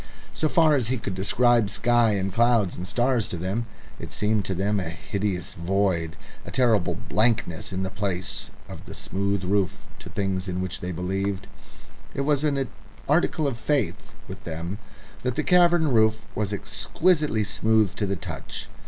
So far as he could describe sky and clouds and stars to them it seemed to them a hideous void, a terrible blankness in the place of the smooth roof to things in which they believed it was an article of faith with them that the cavern roof was exquisitely smooth to the touch.